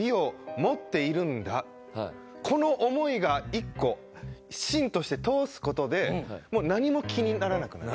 この思いが一個芯として通す事でもう何も気にならなくなる。